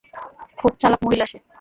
খুব চালাক মহিলা সে।